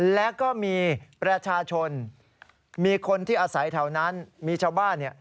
แล้วก็มีประชาชนมีคนที่อาศัยแถวนั้นมีชาวบ้านเนี่ย